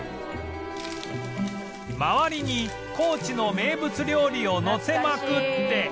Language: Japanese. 周りに高知の名物料理をのせまくって